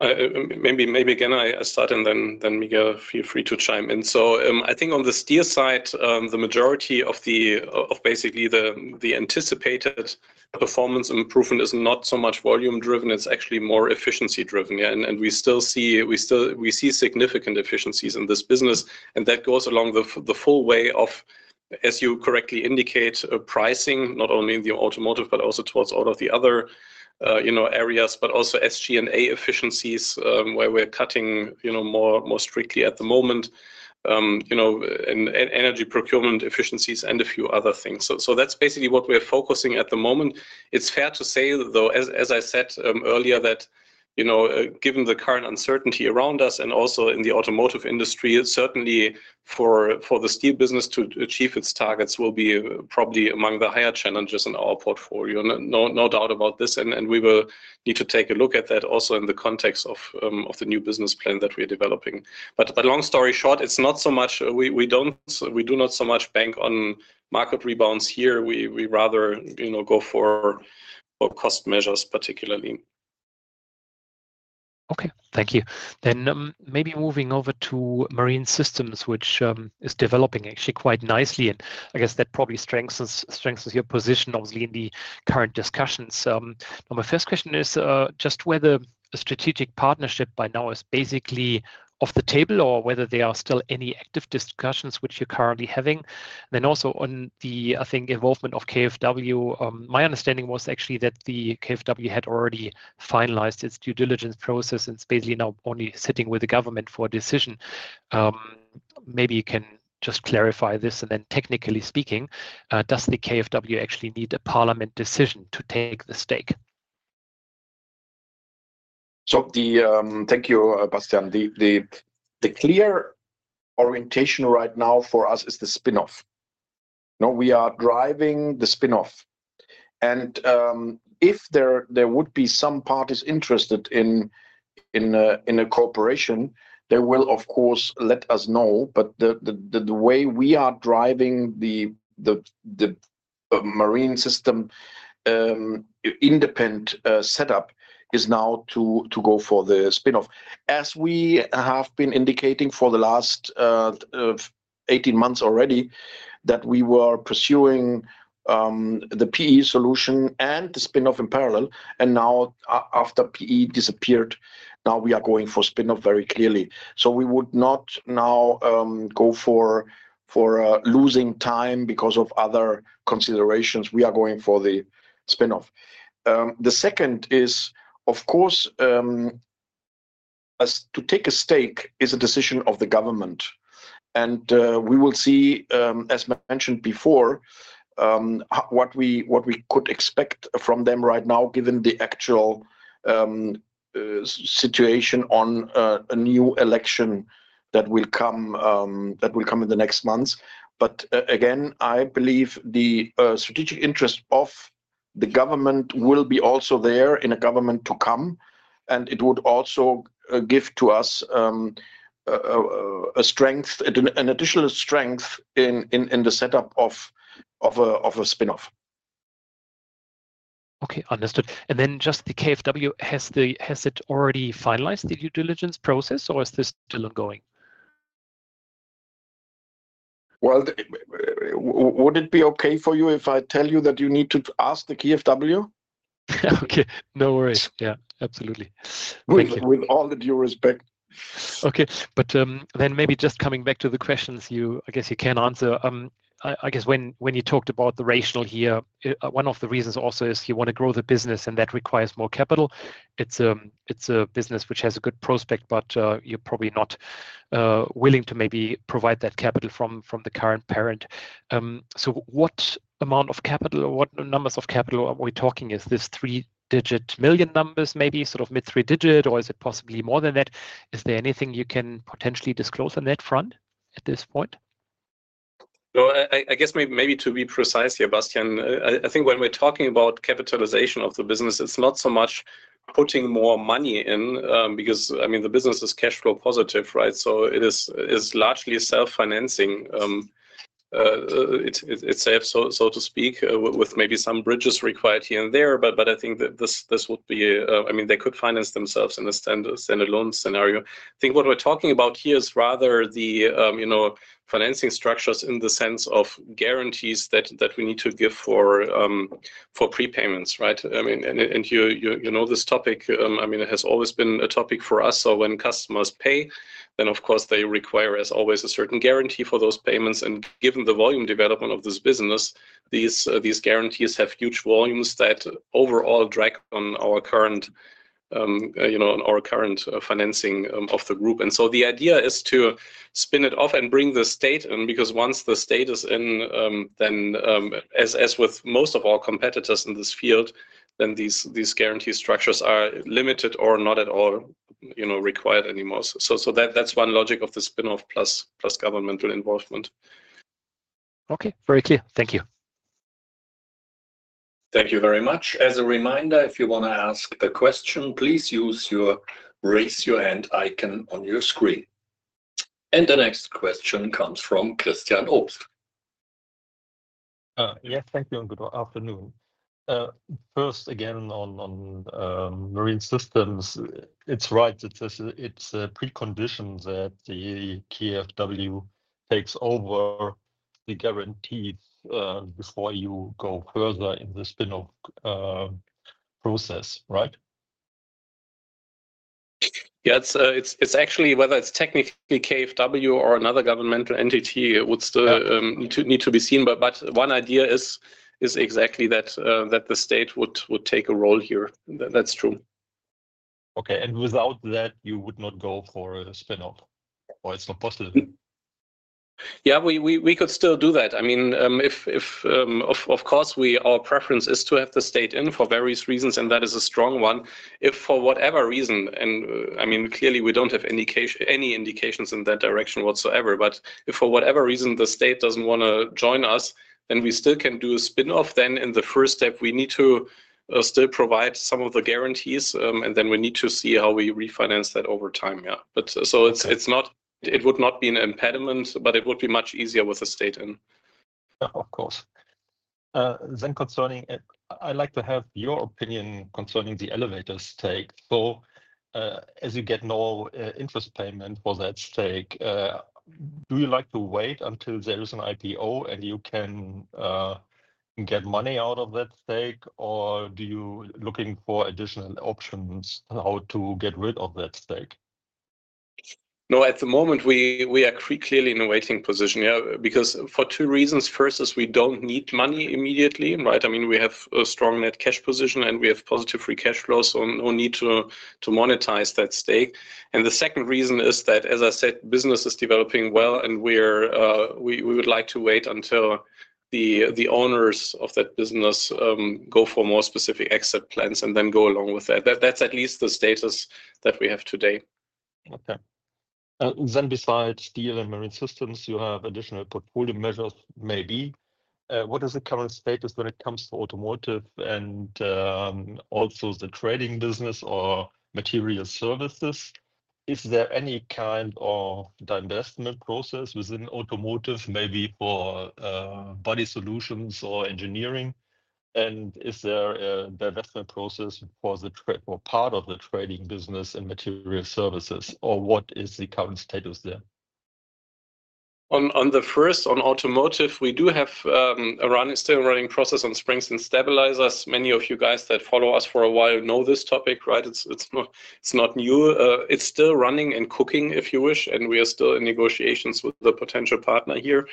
Maybe maybe again, I start, and then then Miguel, feel free to chime in. So I think on the steel side, the majority of the basically the anticipated performance improvement is not so much volume-driven. It's actually more efficiency-driven. And and we still we still see significant efficiencies in this business. And that goes along the full way of, as you correctly indicate, pricing, not only in the automotive, but also towards all of the other you know areas, but also SG&A efficiencies where we're cutting you know more strictly at the moment, you know and energy procurement efficiencies, and a few other things. So that's basically what we're focusing on at the moment. It's fair to say, though, as I said earlier, that you know given the current uncertainty around us and also in the automotive industry, certainly for for the steel business to achieve its targets will be probably among the higher challenges in our portfolio. No no doubt about this. And we will need to take a look at that also in the context of of the new business plan that we are developing. But long story short, it's not so much we do not so much bank on market rebounds here. We we rather you know go for cost measures particularly. Okay. Thank you. Then maybe moving over to Marine Systems, which is developing actually quite nicely. And I guess that probably strengthens your position obviously in the current discussions. My first question is just whether a strategic partnership by now is basically off the table or whether there are still any active discussions which you're currently having. Then also on the, I think, involvement of KfW, my understanding was actually that the KfW had already finalized its due diligence process and is basically now only sitting with the government for a decision. Maybe you can just clarify this. And then, technically speaking, does the KfW actually need a parliament decision to take the stake? So thank you, Bastian. The the clear orientation right now for us is the spinoff. No, we are driving the spinoff. And if there would be some parties interested in in a corporation, they will, of course, let us know. But the the way we are driving the the Marine Systems independent setup is now to to go for the spinoff. As we have been indicating for the last 18 months already that we were pursuing the PE solution and the spinoff in parallel. And now after PE disappeared, now we are going for spinoff very clearly. So we would not now go for for losing time because of other considerations. We are going for the spinoff. The second is, of course, to take a stake is a decision of the government. And we will see, as mentioned before, what we what we could expect from them right now given the actual situation on a new election that will come that will come in the next months. But again, I believe the strategic interest of the government will be also there in a government to come. And it would also give to us a strength an additional strength in the setup of of a spinoff. Okay. Understood. And then just the KfW, has it already finalized the due diligence process, or is this still ongoing? Well, would it be okay for you if I tell you that you need to ask the KfW? Okay. No worries. Yeah. Absolutely. With all due respect. Okay. But then maybe just coming back to the questions, I guess you can answer. I guess when when you talked about the rationale here, one of the reasons also is you want to grow the business, and that requires more capital. It's a it's a business which has a good prospect, but you're probably not willing to maybe provide that capital from from the current parent. So what amount of capital or what numbers of capital are we talking? Is this three-digit million numbers maybe, sort of mid-three digit, or is it possibly more than that? Is there anything you can potentially disclose on that front at this point? So I guess maybe to be precise here, Bastian, I think when we're talking about capitalization of the business, it's not so much putting more money in because, I mean, the business is cash flow positive, right? So it is largely self-financing itself, so to speak, with maybe some bridges required here and there. But I think this this would be a, I mean, they could finance themselves in a standalone scenario. I think what we're talking about here is rather the you know financing structures in the sense of guarantees that we need to give for prepayments, right? I mean, and you know you you this topic, I mean, it has always been a topic for us. So when customers pay, then of course, they require, as always, a certain guarantee for those payments. And given the volume development of this business, these these guarantees have huge volumes that overall drag on our current you know on our current financing of the group. And so the idea is to spin it off and bring the state in because once the state is in, then as as with most of our competitors in this field, then these these guarantee structures are limited or not at all you know required anymore. So so that's one logic of the spinoff plus governmental involvement. Okay. Very clear. Thank you. Thank you very much. As a reminder, if you wanna ask the question, please raise your hand icon on your screen, and the next question comes from Christian Obst. Yes. Thank you. Good afternoon. First, again, on Marine Systems, it's right. It's a precondition that the KfW takes over the guarantee before you go further in the spinoff process, right? Yeah. It's it's actually whether it's technically KfW or another governmental entity, it would still need to be seen. But one idea is is exactly that that the state would take a role here. That's true. Okay, and without that, you would not go for a spinoff, or it's not possible. Yeah. We we could still do that. I mean, if if of course, our preference is to have the state in for various reasons, and that is a strong one. If for whatever reason, and I mean, clearly, we don't have any indications in that direction whatsoever, but if for whatever reason the state doesn't wanna join us, then we still can do a spinoff. Then in the first step, we need to still provide some of the guarantees, and then we need to see how we refinance that over time. Yeah. So so it's not it would not be an impediment, but it would be much easier with the state in. Of course. Then concerning, I'd like to have your opinion concerning the elevator stake. So as you get no interest payment for that stake, do you like to wait until there is an IPO and you can get money out of that stake, or are you looking for additional options on how to get rid of that stake? No, at the moment, we we are clearly in a waiting position, yeah, because for two reasons. First is we don't need money immediately, right? I mean, we have a strong net cash position, and we have positive free cash flows, so no need to to monetize that stake. And the second reason is that, as I said, business is developing well, and we're we would like to wait until the the owners of that business go for more specific exit plans and then go along with that. That's at least the status that we have today. Okay. Then besides steel and Marine Systems, you have additional portfolio measures maybe. What is the current status when it comes to automotive and also the trading business or material services? Is there any kind of divestment process within automotive, maybe for Body Solutions or engineering? And is there a divestment process for part of the trading business and material services, or what is the current status there? On the first, on automotive, we do have a still running process on Springs and Stabilizers. Many of you guys that follow us for a while know this topic, right? It's not new. It's still running and cooking, if you wish, and we are still in negotiations with the potential partner here.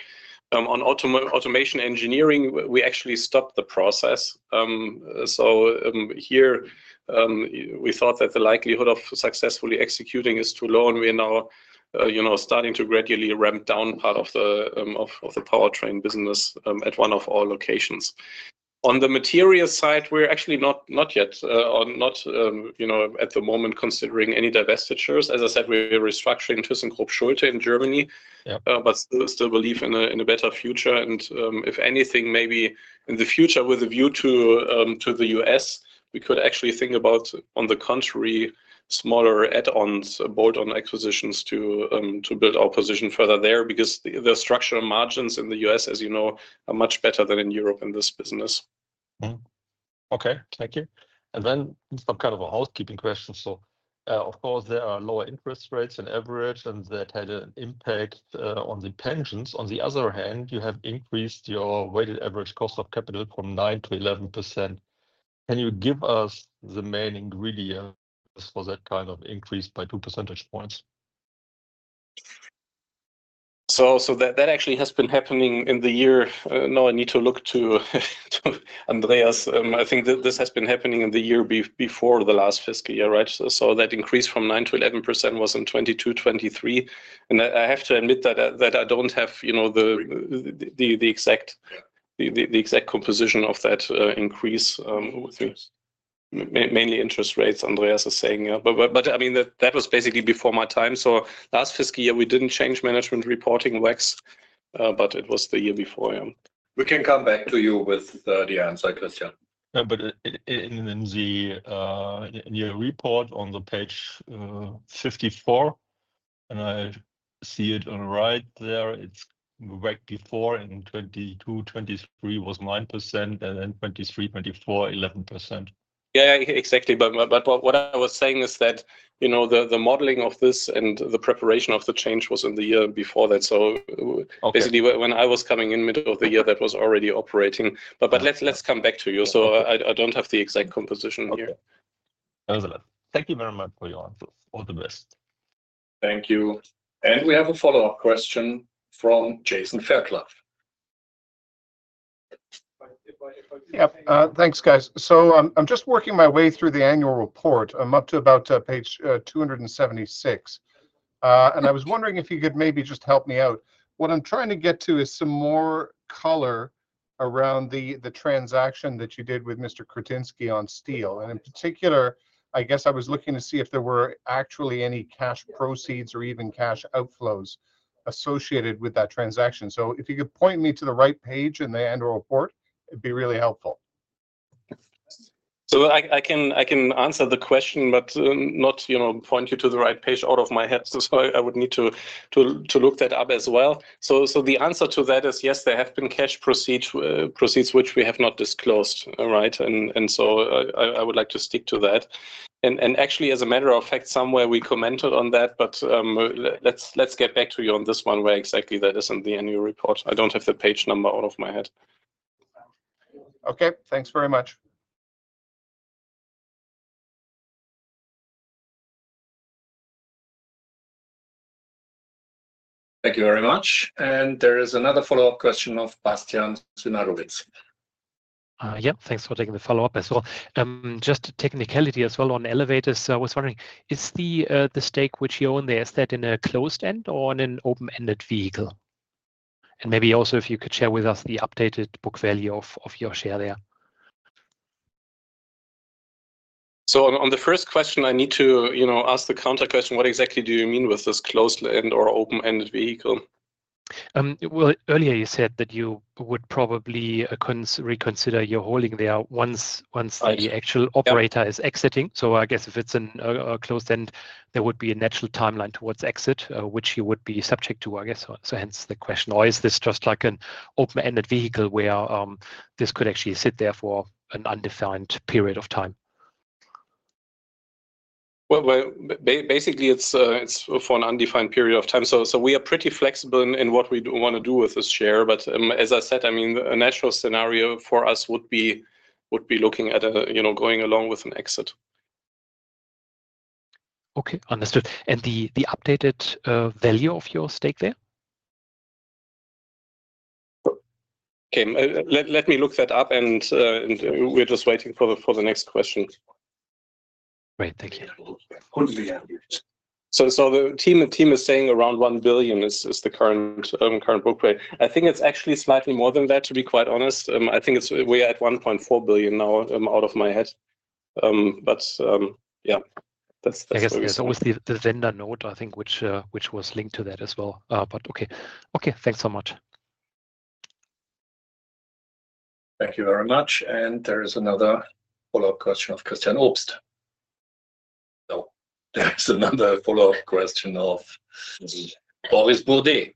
On on Automation Engineering, we actually stopped the process. So here, we thought that the likelihood of successfully executing is too low, and we are now you know starting to gradually ramp down part of the powertrain business at one of our locations. On the material side, we're actually not yet or not you know at the moment considering any divestitures. As I said, we're restructuring Thyssenkrupp Schulte in Germany, but still believe in a better future. And if anything, maybe in the future with a view to to the U.S., we could actually think about, on the contrary, smaller add-ons, bolt-on acquisitions to to build our position further there because the structure and margins in the U.S., as you know, are much better than in Europe in this business. Okay. Thank you. And then some kind of a housekeeping question. So of course, there are lower interest rates on average, and that had an impact on the pensions. On the other hand, you have increased your weighted average cost of capital from 9%-11%. Can you give us the main ingredients for that kind of increase by two percentage points? So that actually has been happening in the year. Now I need to look to Andreas. I think this has been happening in the year before the last fiscal year, right? So that increase from 9%-11% was in 2022, 2023. And I have to admit that I don't have the the exact composition of that increase with you. Mainly interest rates, Andreas is saying. But I mean, that was basically before my time. So last fiscal year, we didn't change management reporting WACC, but it was the year before. We can come back to you with the answer, Christian. But in the in your report on the page 54, and I see it on the right there, it's WACC before in 2022, 2023 was 9%, and then 2023, 2024, 11%. Yeah, exactly. But what I was saying is that you know the modeling of this and the preparation of the change was in the year before that. So basically, when I was coming in mid of the year, that was already operating. But let's come back to you. So I don't have the exact composition here. Thank you very much for your answers. All the best. Thank you. And we have a follow-up question from Jason Fairclough. Thanks, guys. So I'm just working my way through the annual report. I'm up to about page 276. And I was wondering if you could maybe just help me out. What I'm trying to get to is some more color around the transaction that you did with Mr. Kretinsky on steel. And in particular, I guess I was looking to see if there were actually any cash proceeds or even cash outflows associated with that transaction. So if you could point me to the right page in the annual report, it'd be really helpful. So I can I can answer the question, but not to you know point you to the right page out of my head. So sorry, I would need to to look at others as well. So the answer to that is, yes, there have been cash proceeds proceeds which we have not disclosed, alright? And so I would like to stick to that. And and actually, as a matter of fact, somewhere we commented on that, but let's get back to you on this one where exactly that is in the annual report. I don't have the page number out of my head. Okay. Thanks very much. Thank you very much. And there is another follow-up question of Bastian Synagowitz. Yep. Thanks for taking the follow-up as well. Just technicality as well on elevators. I was wondering, is the stake which you own there, is that in a closed-end or in an open-ended vehicle? And maybe also if you could share with us the updated book value of your share there. So on the first question, I need to you know ask the counter question. What exactly do you mean with this closed-end or open-ended vehicle? Well, earlier, you said that you would probably reconsider your holding there once the actual operator is exiting. So I guess if it's a closed-end, there would be a natural timeline towards exit, which you would be subject to, I guess. So hence the question, or is this just like an open-ended vehicle where this could actually sit there for an undefined period of time? Well, basically, it's for an undefined period of time. So so we are pretty flexible in what we want to do with this share. But as I said, I mean, a natural scenario for us would be would be looking at going along with an exit. Okay. Understood. And the updated value of your stake there? Okay. Let let me look that up, and we're just waiting for the next question. Great. Thank you. So the team is saying around 1 billion is the current book value. I think it's actually slightly more than that, to be quite honest. I think we are at 1.4 billion now out of my head. But yeah, that's the story. I guess there's always the vendor note, I think, which which was linked to that as well. But okay. Okay. Thanks so much. Thank you very much. And there is another follow-up question of Christian Obst. So there is another follow-up question of Boris Bourdet.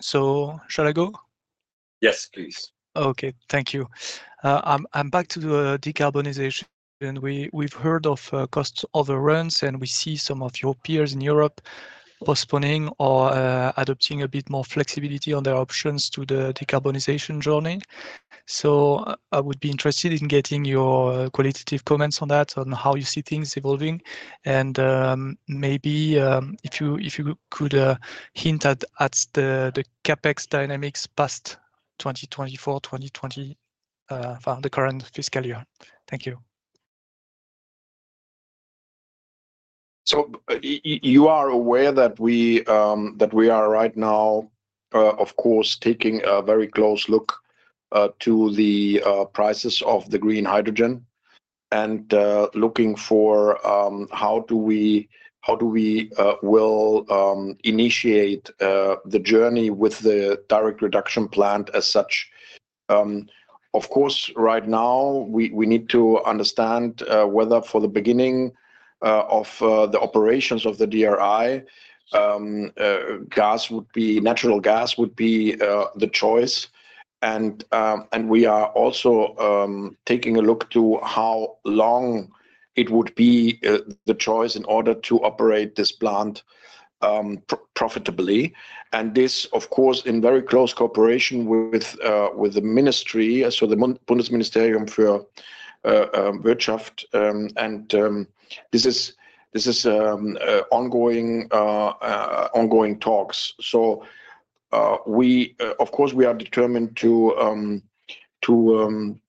So shall I go? Yes, please. Okay. Thank you. I'm back to the decarbonization. And we've we've heard of cost overruns, and we see some of your peers in Europe postponing or adopting a bit more flexibility on their options to the decarbonization journey. So I would be interested in getting your qualitative comments on that, on how you see things evolving. And maybe if you if you could hint at the CapEx dynamics past 2024, 2025, the current fiscal year. Thank you. So you are aware that we are right now, of course, taking a very close look to the prices of the green hydrogen and looking for how do we will initiate the journey with the direct reduction plant as such. Of course, right now, we we need to understand whether for the beginning of the operations of the DRI, gas would be natural gas would be the choice. And we are also taking a look to how long it would be the choice in order to operate this plant profitably. And this, of course, in very close cooperation with with the ministry, so the Bundesministerium für Wirtschaft. And this is this is ongoing ongoing talks. So of course, we are determined to to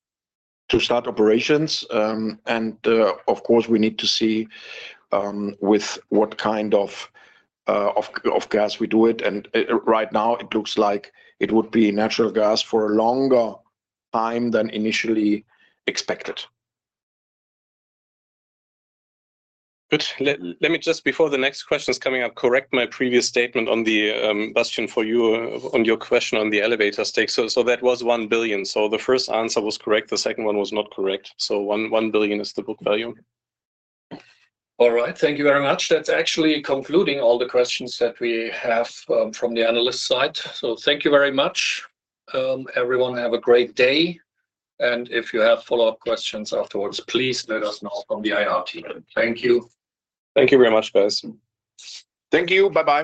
to start operations. And of course, we need to see with what kind of of gas we do it. And right now, it looks like it would be natural gas for a longer time than initially expected. Good. Let me just, before the next question's coming up, correct my previous statement on the question for you on your question on the elevator stake. So that was 1 billion. So the first answer was correct. The second one was not correct. So 1 billion is the book value. All right. Thank you very much. That's actually concluding all the questions that we have from the analyst side. So thank you very much. Everyone have a great day, and if you have follow-up questions afterwards, please let us know from the IR team. Thank you. Thank you very much, guys. Thank you. Bye-bye.